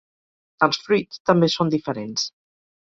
Els fruits també són diferents.